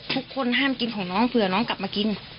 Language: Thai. ทุกคนห้ามกินของน้องเผื่อน้องกลับมากิน